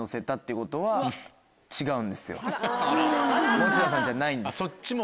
餅田さんじゃないんです。